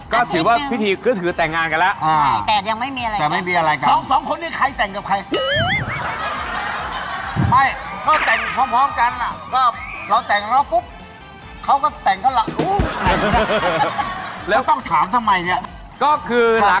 ก็คือหลังจากนั้นก็พุด